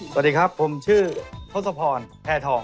สวัสดีครับผมชื่อทศพรแพทอง